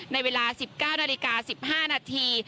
ในเวลา๑๙นาฬิกา๑๕นาที